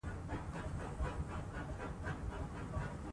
چي مي پلار راته پرې ایښی په وصیت دی